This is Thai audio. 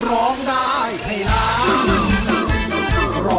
ร้องได้ให้ล้าน